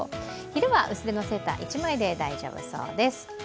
昼は薄手のセーター１枚で大丈夫そうです。